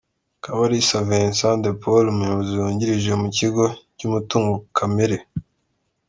Kabalisa Vincent de Paul, Umuyobozi wungirije mu kigo cy’umutungo Kamere.